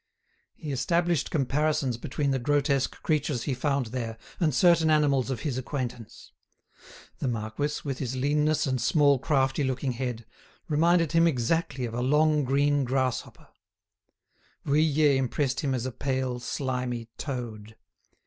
He established comparisons between the grotesque creatures he found there and certain animals of his acquaintance. The marquis, with his leanness and small crafty looking head, reminded him exactly of a long green grasshopper. Vuillet impressed him as a pale, slimy toad.